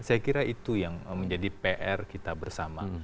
saya kira itu yang menjadi pr kita bersama